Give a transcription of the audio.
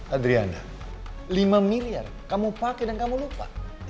adriana lima miliar kamu pakai dan kamu lupa